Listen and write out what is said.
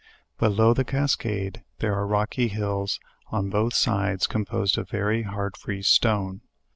Below the cascade there are rocky hills on both sides com posed of very hard free stone.